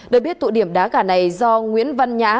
được biết tụ điểm đá gà này do nguyễn văn nhã